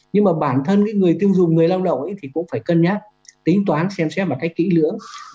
nhưng mà bản thân cái người tiêu dùng người lao động thì cũng phải cân nhắc tính toán xem xét một cách kỹ lưỡng